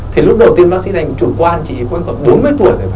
thì lúc đầu tiên bác sĩ thành chủ quan chị quen còn bốn mươi tuổi rồi